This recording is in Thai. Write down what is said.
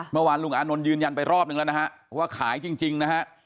เมื่อวานลุงอานนท์ยืนยันไปรอบนึงแล้วนะฮะว่าขายจริงนะฮะ